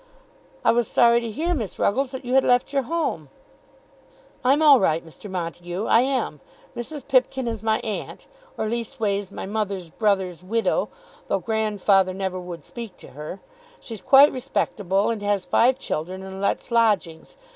I was sorry to hear, Miss Ruggles, that you had left your home." "I'm all right, Mr. Montague; I am. Mrs. Pipkin is my aunt, or, leastways, my mother's brother's widow, though grandfather never would speak to her. She's quite respectable, and has five children, and lets lodgings.